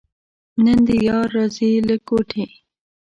نن دې یار راځي له کوټې.